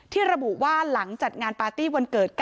ระบุว่าหลังจัดงานปาร์ตี้วันเกิด๙